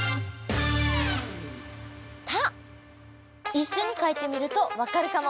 いっしょに書いてみるとわかるかも！